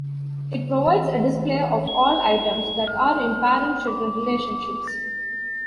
It provides a display of all items that are in parent-children relationships.